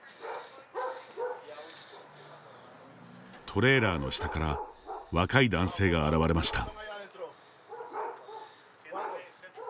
トレーラーの下から若い男性が現れました。